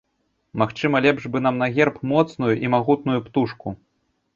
Магчыма, лепш бы нам на герб моцную і магутную птушку.